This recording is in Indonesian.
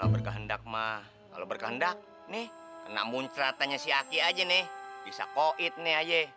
berkehendak mah kalau berkehendak nih kena muncratannya si aki aja nih bisa koid nih aja